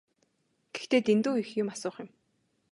Гэхдээ дэндүү их юм асуух юм.